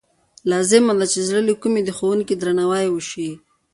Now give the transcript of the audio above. لازمه ده چې د زړه له کومې د ښوونکي درناوی وشي.